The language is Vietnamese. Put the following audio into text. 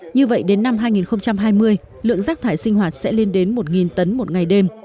như vậy đến năm hai nghìn hai mươi lượng rác thải sinh hoạt sẽ lên đến một tấn một ngày đêm